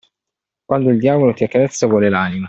Quando il diavolo ti accarezza, vuole l'anima.